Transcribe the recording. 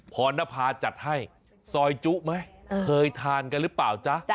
รณภาจัดให้ซอยจุไหมเคยทานกันหรือเปล่าจ๊ะ